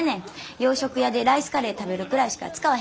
洋食屋でライスカレー食べるくらいしか使わへんし。